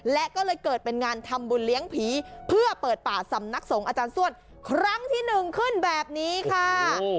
และก็เลยเกิดเป็นงานทำบุญเลี้ยงผีเพื่อเปิดป่าสำนักสงฆ์อาจารย์ส้วนครั้งที่หนึ่งขึ้นแบบนี้ค่ะ